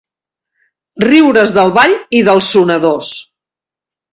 Riure's del ball i dels sonadors.